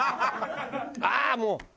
ああもう！